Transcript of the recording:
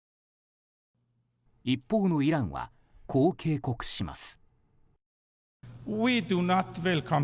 一方のイランはこう警告します。